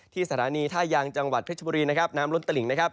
ที่สถานีท่ายางจังหวัดเพชรบุรีน้ำล้นตะหลิง